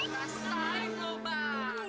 masa itu bang